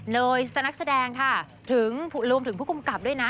นักแสดงค่ะถึงรวมถึงผู้กำกับด้วยนะ